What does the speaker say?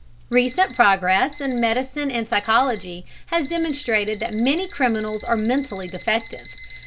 Recent progress in medicine and psychology has demonstrated that many criminals are mentally defective.